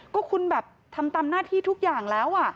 ก็คุณแบบทำตามหน้าที่ทุกอย่างแล้ว